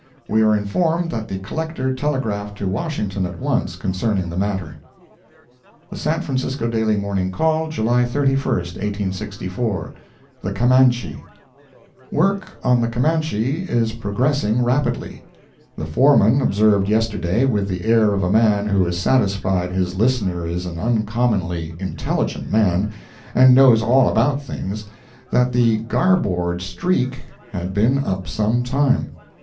We are informed that the Collector telegraphed to Washington at once concerning the matter. The San Francisco Daily Morning Call, July 31, 1864 THE CAMANCHE Work on the Camanche is progressing rapidly. The foreman observed yesterday, with the air of a man who is satisfied his listener is an uncommonly intelligent man, and knows all about things, that the "garboard streak" had been up some time.